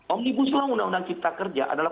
omnibus law undang undang cipta kerja adalah